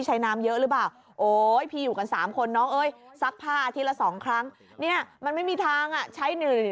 ใช่แบบนี้เอาฟังพี่กัลยาค่ะ